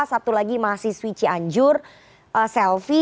satu lagi mahasiswi cianjur selvi